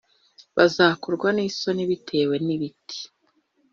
bazakorwa n isoni bitewe n ibiti